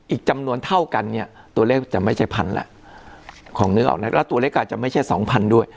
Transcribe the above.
อีกจำนวนเท่ากันเนี่ยตัวเลขจะไม่ใช่พันแล้วของนึกออกนะแล้วตัวเลขก็อาจจะไม่ใช่สองพันด้วย